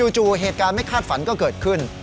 เหตุการณ์ไม่คาดฝันก็เกิดขึ้น